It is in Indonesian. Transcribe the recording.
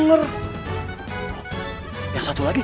oh ya satu lagi